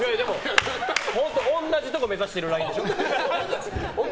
同じところ目指してるラインでしょ。